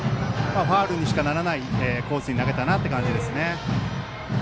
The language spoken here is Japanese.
ファウルにしかならないコースに投げたなという感じですね。